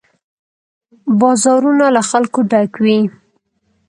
بازارونه له خلکو ډک وي.